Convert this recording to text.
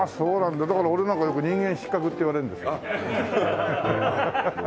俺なんかよく「人間失格」って言われるんです。